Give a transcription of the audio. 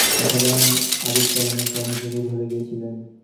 একজন মানুষ বৃহৎ পৃথিবীর নানা অসাধারণত্ব আবিষ্কারের নেশায় নিজেকেই ভুলে গিয়েছিলেন।